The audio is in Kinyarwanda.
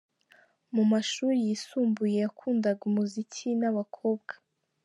Mu mashuri yisumbuye yakundaga umuziki n’abakobwa.